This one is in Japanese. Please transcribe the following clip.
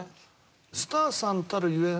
スターさんたるゆえん